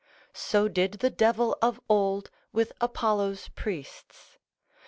So did the devil of old with Apollo's priests.